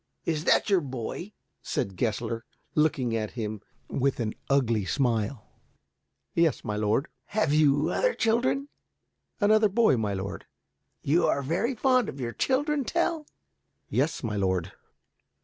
"Is that your boy?" said Gessler, looking at him with an ugly smile. "Yes, my lord." "Have you other children?" "Another boy, my lord." "You are very fond of your children, Tell?" "Yes, my lord."